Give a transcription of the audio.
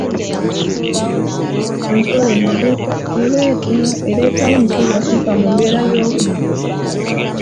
Enkola eno ereetawo enkyukakyuka mu mbeera y'obudde.